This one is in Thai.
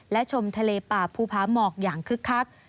และชมทะเลป่าภูพาหมอกอย่างคึกคัก